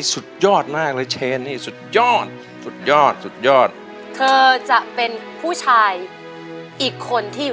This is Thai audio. ยังไม่มีให้รักยังไม่มี